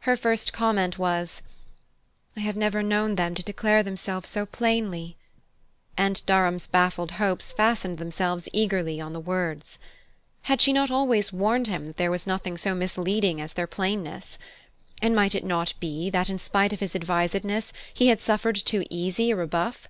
Her first comment was: "I have never known them to declare themselves so plainly " and Durham's baffled hopes fastened themselves eagerly on the words. Had she not always warned him that there was nothing so misleading as their plainness? And might it not be that, in spite of his advisedness, he had suffered too easy a rebuff?